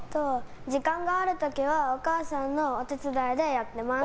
時間がある時は、お母さんのお手伝いでやっています。